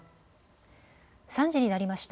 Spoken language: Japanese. ３時になりました。